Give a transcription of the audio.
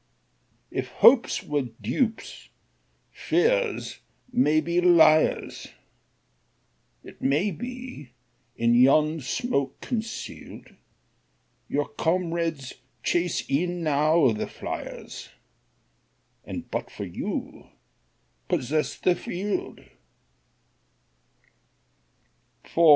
If hopes were dupes, fears may be liars; It may be, in yon smoke conceal'd, Your comrades chase e'en now the fliers, And, but for you, possess the field.